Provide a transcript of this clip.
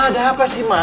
ada apa sih ma